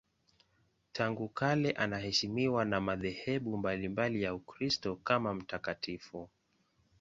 Tangu kale anaheshimiwa na madhehebu mbalimbali ya Ukristo kama mtakatifu.